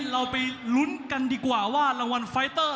เราไปลุ้นกันดีกว่าว่ารางวัลไฟเตอร์